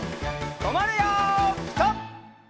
とまるよピタ！